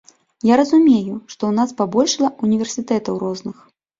Я разумею, што ў нас пабольшала універсітэтаў розных.